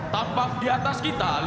tampak di atas kita